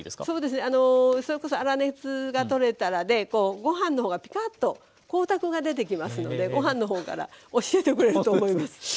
そうですねそれこそ粗熱が取れたらでご飯の方がピカーッと光沢が出てきますのでご飯の方から教えてくれると思います。